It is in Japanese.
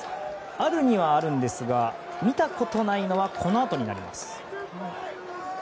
あるにはあるんですが見たことないのはこのあとです。